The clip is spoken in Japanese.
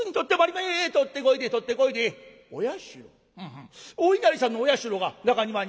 うんうんお稲荷さんのお社が中庭に？」。